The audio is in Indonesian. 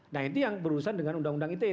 nah itu yang berurusan dengan undang undang ite